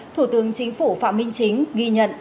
thủ tướng chính phủ phạm minh chính ghi nhận